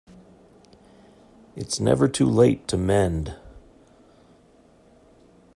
It's never too late to mend.